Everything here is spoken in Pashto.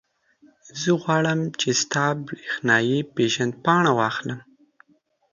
زه غواړم، چې برېښنایي پېژندپاڼه واخلم.